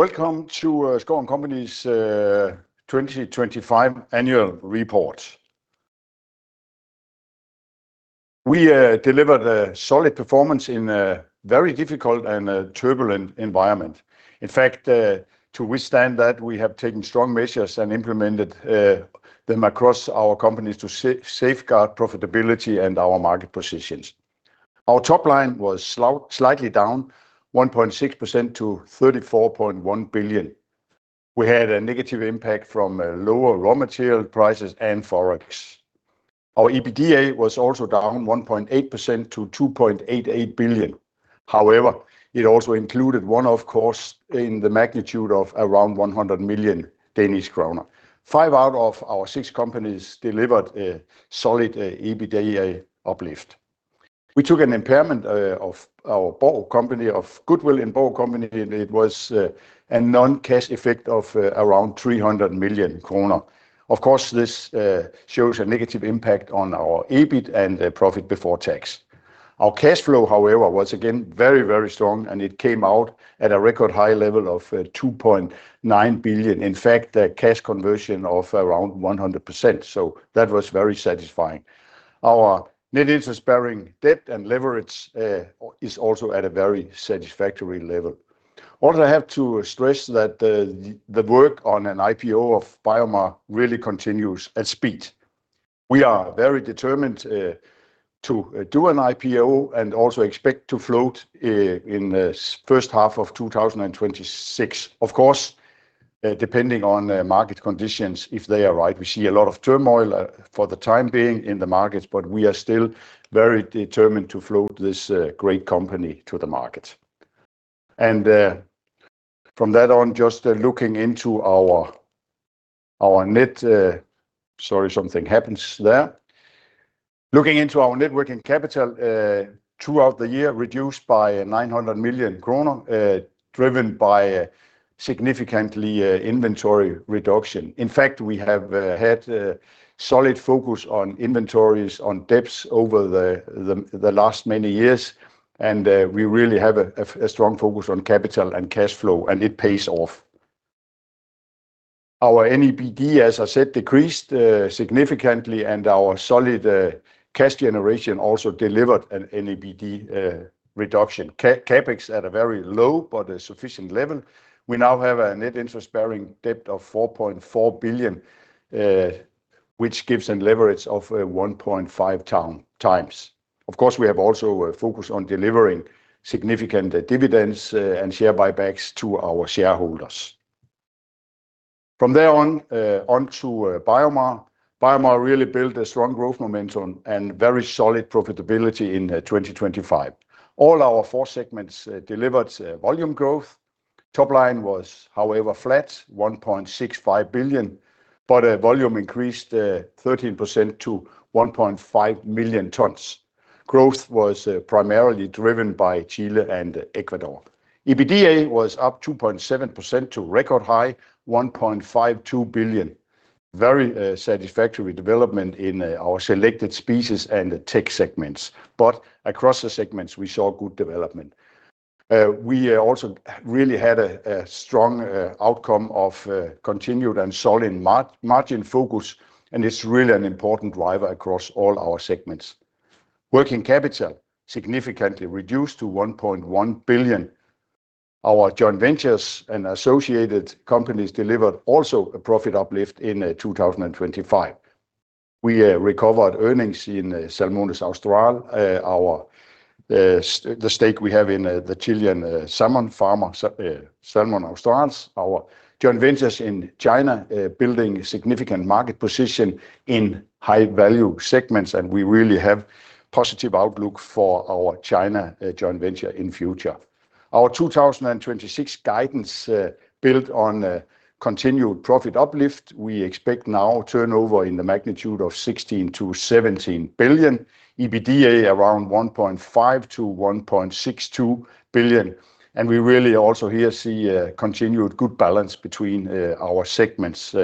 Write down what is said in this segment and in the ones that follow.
Welcome to Schouw & Co.'s 2025 annual report. We delivered a solid performance in a very difficult and a turbulent environment. In fact, to withstand that, we have taken strong measures and implemented them across our companies to safeguard profitability and our market positions. Our top line was slightly down 1.6% to 34.1 billion. We had a negative impact from lower raw material prices and Forex. Our EBITDA was also down 1.8% to 2.88 billion. However, it also included oneoff costs in the magnitude of around 100 million Danish kroner. Five out of our six companies delivered a solid EBITDA uplift. We took an impairment of our Borg company of goodwill in Borg company, and it was a non-cash effect of around 300 million kroner. Of course, this shows a negative impact on our EBIT and the profit before tax. Our cash flow, however, was again very strong, and it came out at a record high level of 2.9 billion. In fact, a cash conversion of around 100%, so that was very satisfying. Our Net Interest-Bearing Debt and leverage is also at a very satisfactory level. I have to stress that the work on an IPO of BioMar really continues at speed. We are very determined to do an IPO and also expect to float in the H1 of 2026. Of course, depending on the market conditions, if they are right, we see a lot of turmoil for the time being in the markets, but we are still very determined to float this great company to the market. From that on, just looking into our net working capital throughout the year, reduced by 900 million kroner, driven by a significantly inventory reduction. In fact, we have had a solid focus on inventories, on depths over the last many years, we really have a strong focus on capital and cash flow, and it pays off. Our NIBD, as I said, decreased significantly, our solid cash generation also delivered an NIBD reduction. CapEx at a very low but a sufficient level. We now have a Net Interest-Bearing Debt of 4.4 billion, which gives a leverage of 1.5x. Of course, we have also a focus on delivering significant dividends and share buybacks to our shareholders. On to BioMar. BioMar really built a strong growth momentum and very solid profitability in 2025. All our four segments delivered volume growth. Top line was, however, flat, 1.65 billion, but volume increased 13% to 1.5 million tons. EBITDA was up 2.7% to record high, 1.52 billion. Very satisfactory development in our selected species and the tech segments. Across the segments, we saw good development. We also really had a strong outcome of continued and solid margin focus. It's really an important driver across all our segments. Working capital significantly reduced to 1.1 billion. Our joint ventures and associated companies delivered also a profit uplift in 2025. We recovered earnings in Salmones Austral, our the stake we have in the Chilean salmon farmer, Salmones Austral, our joint ventures in China, building a significant market position in high-value segments. We really have positive outlook for our China joint venture in future. Our 2026 guidance built on a continued profit uplift. We expect now turnover in the magnitude of 16 billion-17 billion, EBITDA around 1.5 billion-1.62 billion. We really also here see continued good balance between our segments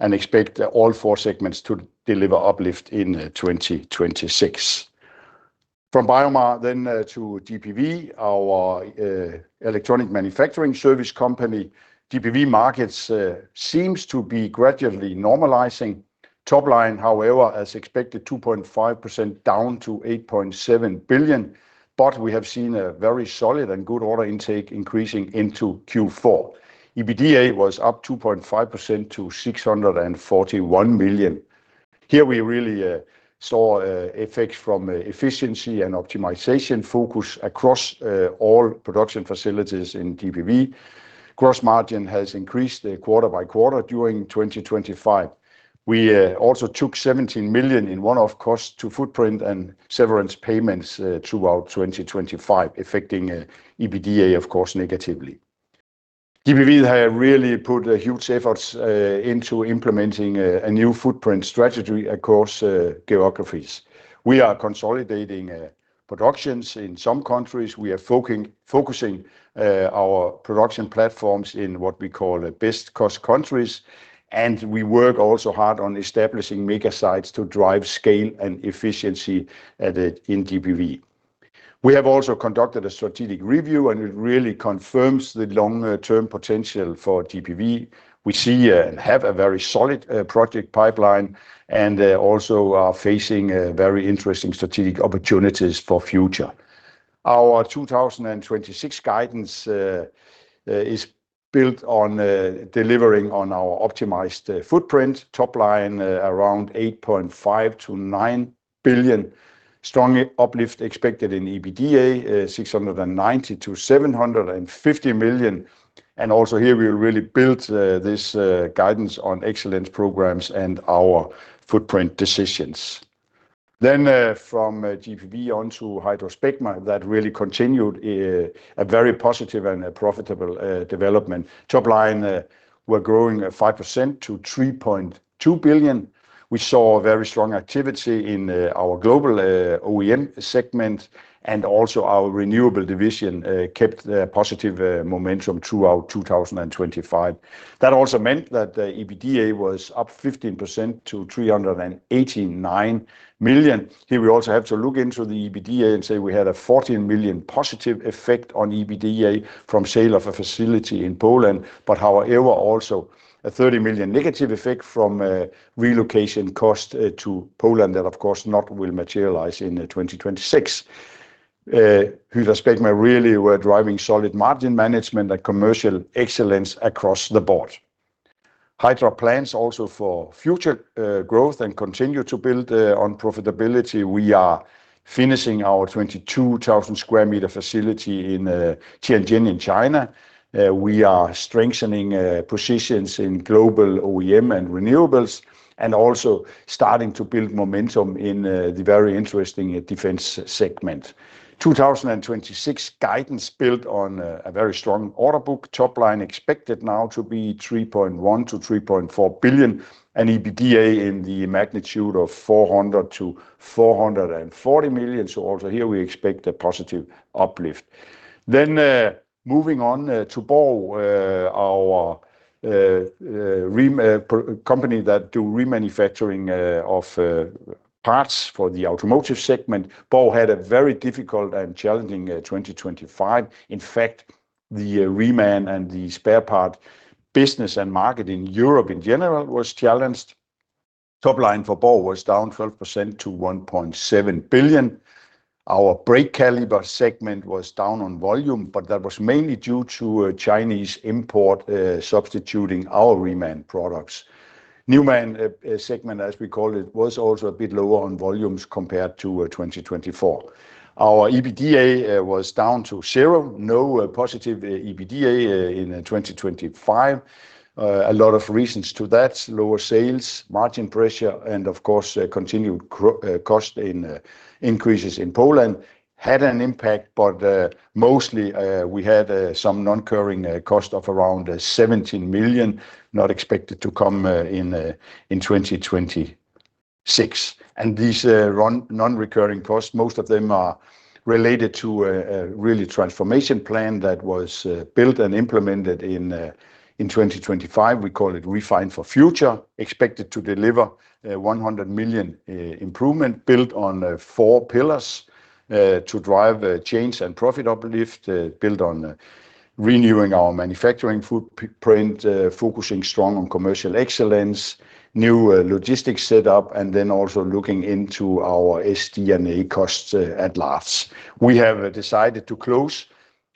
and expect all four segments to deliver uplift in 2026. BioMar to GPV, our electronic manufacturing service company. GPV markets seems to be gradually normalizing. Top line, however, as expected, 2.5% down to 8.7 billion, but we have seen a very solid and good order intake increasing into Q4. EBITDA was up 2.5% to 641 million. Here, we really saw effects from efficiency and optimization focus across all production facilities in GPV. Gross margin has increased quarter by quarter during 2025. We also took 17 million in one-off costs to footprint and severance payments throughout 2025, affecting EBITDA, of course, negatively. GPV have really put huge efforts into implementing a new footprint strategy across geographies. We are consolidating productions in some countries. We are focusing our production platforms in what we call the best cost countries. We work also hard on establishing mega sites to drive scale and efficiency in GPV. We have also conducted a strategic review, and it really confirms the long-term potential for GPV. We see and have a very solid project pipeline and also are facing a very interesting strategic opportunities for future. Our 2026 guidance is built on delivering on our optimized footprint, top line around 8.5 billion-9 billion, strong uplift expected in EBITDA, 690 million-750 million. Also here, we really built this guidance on excellence programs and our footprint decisions. From GPV onto HydraSpecma, that really continued a very positive and profitable development. Top line were growing at 5% to 3.2 billion. We saw very strong activity in our global OEM segment, and also our renewable division kept the positive momentum throughout 2025. Also meant that the EBITDA was up 15% to 389 million. Here we also have to look into the EBITDA and say we had a 14 million positive effect on EBITDA from sale of a facility in Poland, however, also a 30 million negative effect from relocation cost to Poland that of course not will materialize in 2026. HydraSpecma really were driving solid margin management and commercial excellence across the board. HydraSpecma plans also for future growth and continue to build on profitability. We are finishing our 22,000 sq m facility in Tianjin in China. We are strengthening positions in global OEM and renewables and also starting to build momentum in the very interesting defense segment. 2026 guidance built on a very strong order book. Top line expected now to be 3.1 billion-3.4 billion and EBITDA in the magnitude of 400 million-440 million. Also here we expect a positive uplift. Moving on to Borg Automotive, our company that do remanufacturing of parts for the automotive segment. Borg Automotive had a very difficult and challenging 2025. The reman and the spare part business and market in Europe in general was challenged. Top line for Borg Automotive was down 12% to 1.7 billion. Our brake caliper segment was down on volume, that was mainly due to a Chinese import substituting our reman products. New man segment, as we call it, was also a bit lower on volumes compared to 2024. Our EBITDA was down to zero, no positive EBITDA in 2025. A lot of reasons to that. Lower sales, margin pressure, of course, continued cost increases in Poland had an impact. Mostly, we had some non-recurring cost of around 17 million, not expected to come in 2026. These non-recurring costs, most of them are related to a really transformation plan that was built and implemented in 2025. We call it Refine for Future, expected to deliver a 100 million improvement built on four pillars to drive change and profit uplift, built on renewing our manufacturing footprint, focusing strong on commercial excellence, new logistics set up, and then also looking into our SG&A costs at large. We have decided to close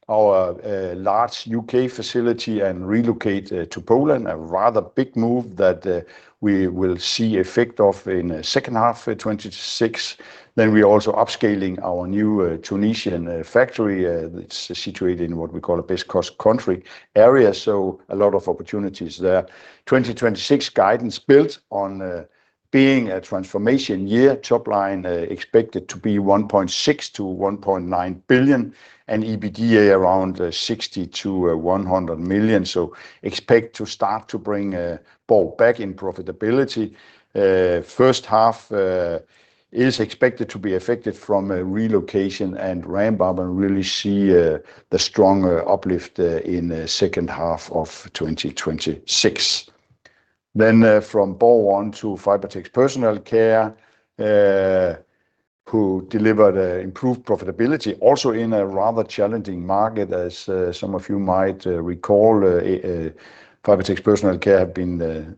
our large U.K. facility and relocate to Poland, a rather big move that we will see effect of in H2 2026. We're also upscaling our new Tunisian factory. It's situated in what we call a base cost country area, a lot of opportunities there. 2026 guidance built on being a transformation year. Top line expected to be 1.6 billion-1.9 billion and EBITDA around 60 million-100 million. Expect to start to bring Borg Automotive back in profitability. H1 is expected to be affected from a relocation and ramp up and really see the stronger uplift in the H2 of 2026. From Borg Automotive on to Fibertex Personal Care, who delivered improved profitability also in a rather challenging market. As some of you might recall, Fibertex Personal Care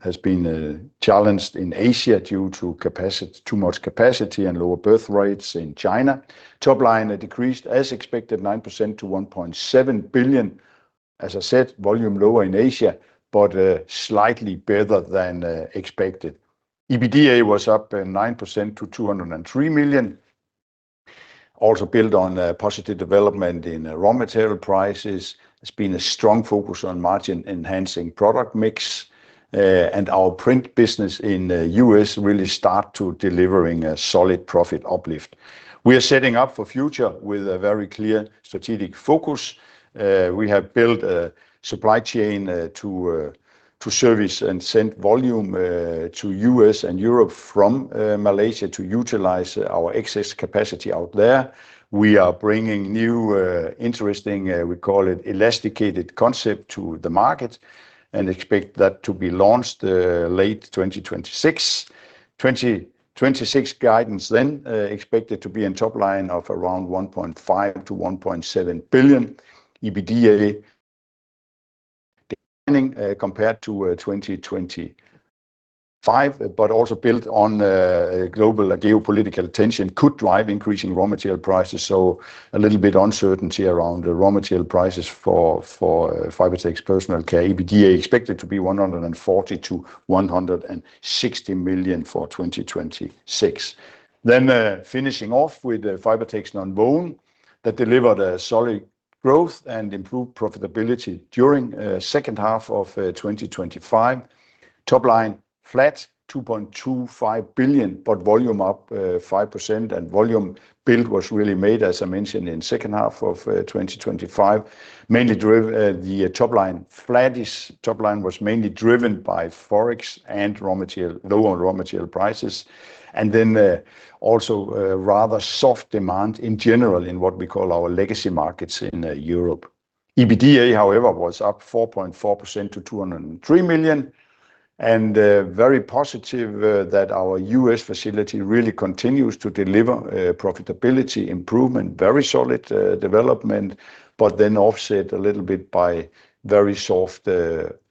has been challenged in Asia due to capacity, too much capacity and lower birth rates in China. Top line decreased as expected, 9% to 1.7 billion. As I said, volume lower in Asia, slightly better than expected. EBITDA was up 9% to 203 million. Also built on a positive development in raw material prices. It's been a strong focus on margin-enhancing product mix. Our print business in the U.S. really start to delivering a solid profit uplift. We are setting up for future with a very clear strategic focus. We have built a supply chain to service and send volume to U.S. and Europe from Malaysia to utilize our excess capacity out there. We are bringing new, interesting, we call it elasticated concept to the market and expect that to be launched late 2026. 2026 guidance expected to be in top line of around 1.5 billion-1.7 billion EBITDA. Declining compared to 2025, but also built on global geopolitical tension could drive increasing raw material prices. A little bit uncertainty around the raw material prices for Fibertex Personal Care. EBITDA expected to be 140 million-160 million for 2026. Finishing off with Fibertex Nonwovens that delivered a solid growth and improved profitability during second half of 2025. Top line flat, 2.25 billion, but volume up 5%, and volume build was really made, as I mentioned, in second half of 2025. The top line flattish. Top line was mainly driven by Forex and raw material, lower raw material prices, and then also a rather soft demand in general in what we call our legacy markets in Europe. EBITDA, however, was up 4.4% to 203 million. Very positive, that our US facility really continues to deliver profitability improvement, very solid development, offset a little bit by very soft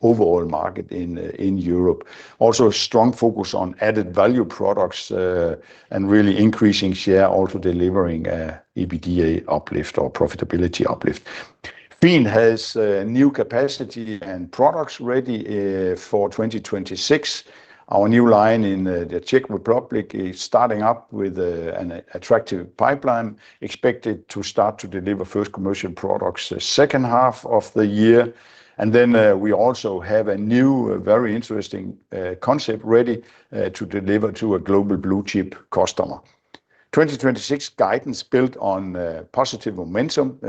overall market in Europe. Also a strong focus on added value products, and really increasing share, also delivering EBITDA uplift or profitability uplift. Finn has new capacity and products ready for 2026. Our new line in the Czech Republic is starting up with an attractive pipeline expected to start to deliver first commercial products the H2 of the year. We also have a new, very interesting, concept ready to deliver to a global blue-chip customer. 2026 guidance built on positive momentum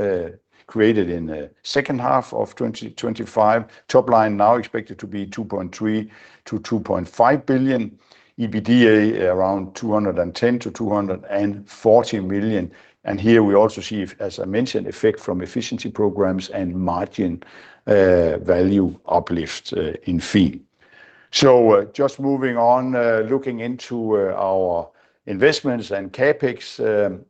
created in the H2 of 2025. Top line now expected to be 2.3 billion-2.5 billion. EBITDA around 210 million-240 million. Here we also see, as I mentioned, effect from efficiency programs and margin, value uplift in Finn. Just moving on, looking into our investments and CapEx.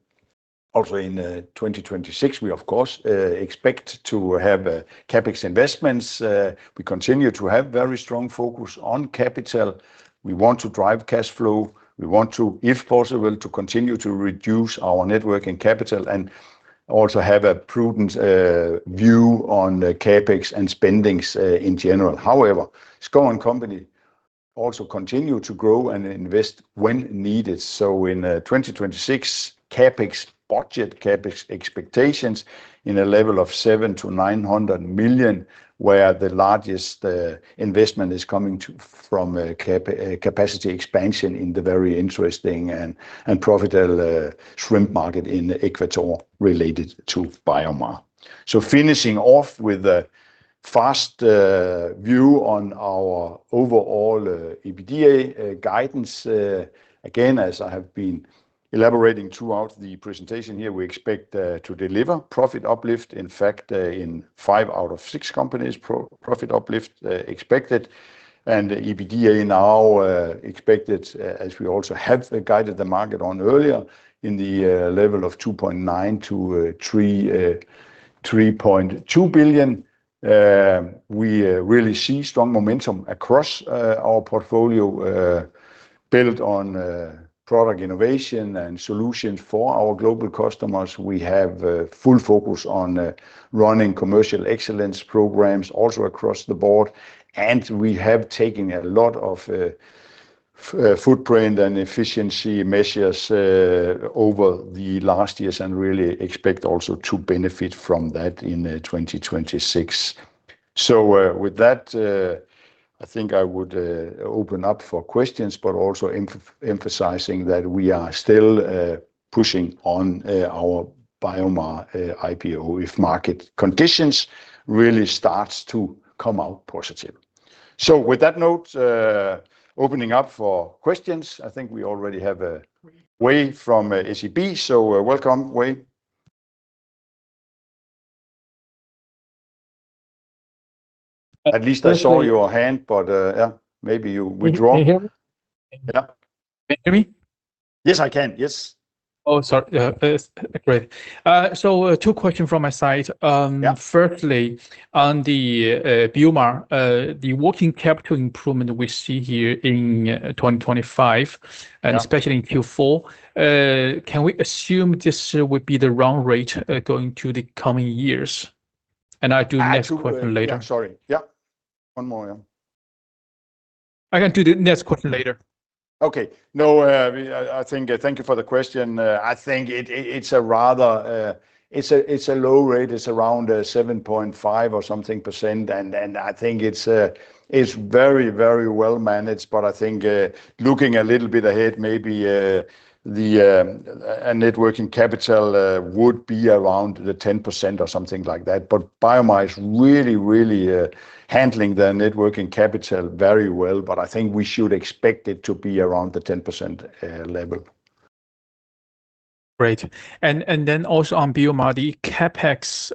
Also in 2026, we of course expect to have CapEx investments. We continue to have very strong focus on capital. We want to drive cash flow. We want to, if possible, to continue to reduce our net working capital and also have a prudent view on CapEx and spendings in general. Schouw & Co. will also continue to grow and invest when needed. In 2026, CapEx budget, CapEx expectations in a level of 700 million-900 million, where the largest investment is coming from capacity expansion in the very interesting and profitable shrimp market in Ecuador related to BioMar. Finishing off with a fast view on our overall EBITDA guidance. Again, as I have been elaborating throughout the presentation here, we expect to deliver profit uplift. In fact, in five companies out of six companies, profit uplift expected. EBITDA now expected, as we also have guided the market on earlier, in the level of 2.9 billion-3.2 billion. We really see strong momentum across our portfolio, built on product innovation and solutions for our global customers. We have a full focus on running commercial excellence programs also across the board, and we have taken a lot of foot, footprint and efficiency measures over the last years and really expect also to benefit from that in 2026. With that, I think I would open up for questions, but also emphasizing that we are still pushing on our BioMar IPO if market conditions really starts to come out positive. With that note, opening up for questions. I think we already have. Yiwei. Yiweifrom SEB. Welcome, Wei. At least I saw your hand, yeah, maybe you withdraw. Can you hear me? Yeah. Can you hear me? Yes, I can. Yes. Oh, sorry. Yeah. Great. 2 question from my side. Yeah. On the BioMar, the working capital improvement we see here in 2025. Yeah. especially in Q4, can we assume this would be the run rate, going to the coming years? I do next question later. I actually... Yeah, sorry. Yeah. One more. Yeah. I can do the next question later. Okay. No, I think thank you for the question. I think it's a rather, it's a, it's a low rate. It's around 7.5% or something. I think it's very, very well managed. I think, looking a little bit ahead, maybe the net working capital would be around the 10% or something like that. BioMar is really, really handling their net working capital very well. I think we should expect it to be around the 10% level. Great. Also on BioMar, the CapEx,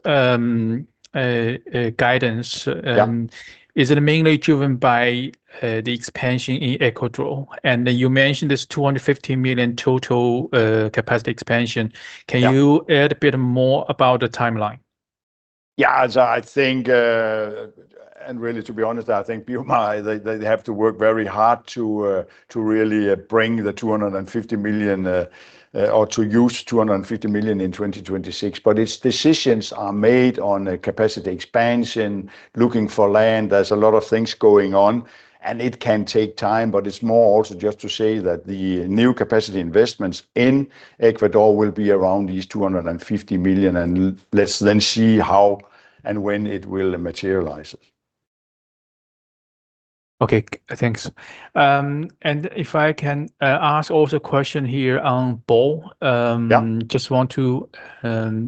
guidance. Yeah is it mainly driven by the expansion in Ecuador? You mentioned this 250 million total capacity expansion. Yeah. Can you add a bit more about the timeline? Yeah. As I think, and really to be honest, I think BioMar, they have to work very hard to really bring the 250 million, or to use 250 million in 2026. Its decisions are made on a capacity expansion, looking for land. There's a lot of things going on, and it can take time, it's more also just to say that the new capacity investments in Ecuador will be around these 250 million, let's then see how and when it will materialize. Okay. Thanks. If I can, ask also a question here on Borg Automotive. Yeah... just want to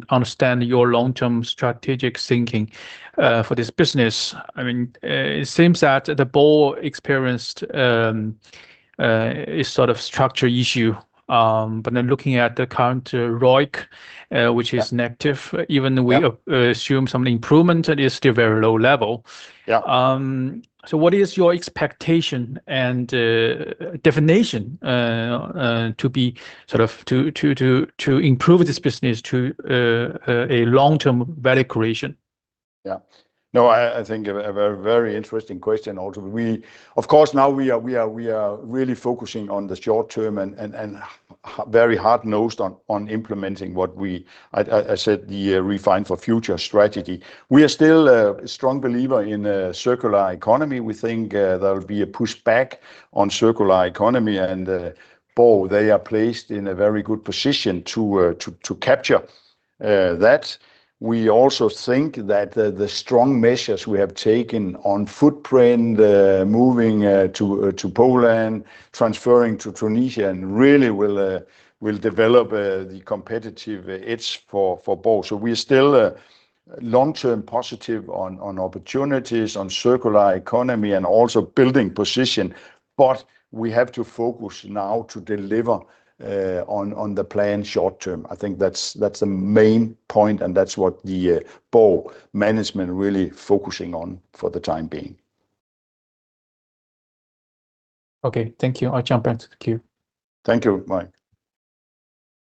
understand your long-term strategic thinking for this business. I mean, it seems that Borg Automotive experienced a sort of structure issue. Looking at the current ROIC. Yeah... which is negative, even though. Yeah... assume some improvement, it is still very low level. Yeah. What is your expectation and definition to be sort of to improve this business to a long-term value creation? No, I think a very interesting question also. Of course, now we are really focusing on the short-term and very hard-nosed on implementing the Refine for Future strategy. We are still a strong believer in circular economy. We think there will be a pushback on circular economy. Borg Automotive, they are placed in a very good position to capture that. We also think that the strong measures we have taken on footprint, moving to Poland, transferring to Tunisia, and really will develop the competitive edge for Bow. We're still long-term positive on opportunities, on circular economy and also building position. We have to focus now to deliver on the plan short-term. I think that's the main point, and that's what the Borg Automotive management really focusing on for the time being. Okay. Thank you. I'll jump out of the queue. Thank you, Yiwei.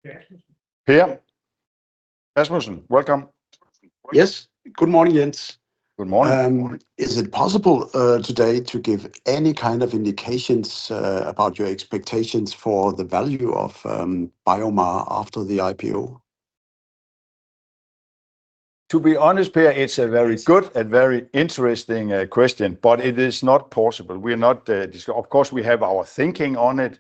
Per Rasmussen. Per Rasmussen, welcome. Yes. Good morning, Jens. Good morning. Is it possible today to give any kind of indications about your expectations for the value of BioMar after the IPO? To be honest, Per Rasmussen, it's a very good and very interesting question, but it is not possible. We are not. Of course, we have our thinking on it,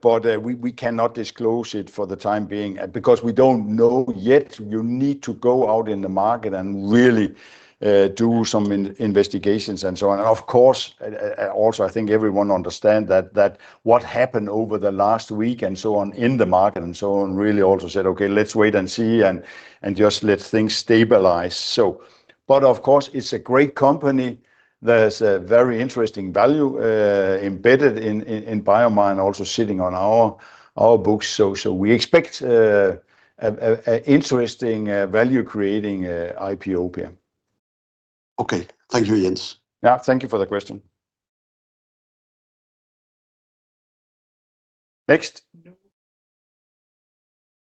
but we cannot disclose it for the time being because we don't know yet. You need to go out in the market and really do some investigations and so on. Of course, also, I think everyone understand that what happened over the last week and so on in the market and so on really also said, "Okay, let's wait and see and just let things stabilize." But of course, it's a great company. There's a very interesting value embedded in BioMar and also sitting on our books. We expect an interesting value-creating IPO, Per Rasmussen. Okay. Thank you, Jens. Yeah. Thank you for the question. Next.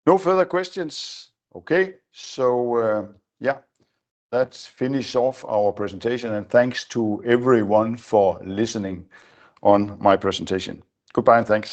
No further questions. Okay. Yeah, let's finish off our presentation. Thanks to everyone for listening on my presentation. Goodbye, and thanks.